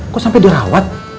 kok sampai dirawat